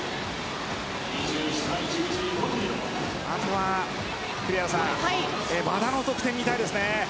あとは栗原さん、和田の得点を見たいですね。